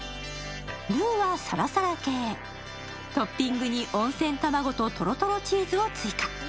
ルーはサラサラ系、トッピングに温泉卵と、とろとろチーズを追加。